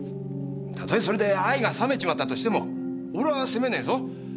例えそれで愛が冷めちまったとしても俺は責めねえぞ。